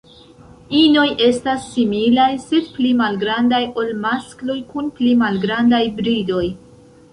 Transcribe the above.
Inoj estas similaj, sed pli malgrandaj ol maskloj kun pli malgrandaj bridoj.